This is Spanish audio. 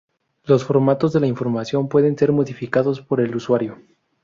Los formatos de la información pueden ser modificados por el usuario.